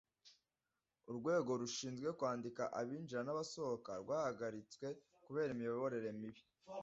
urwego rushinzwe kwandika abinjira nabasohoka rwahagaritswe kubera imiyoborere mibi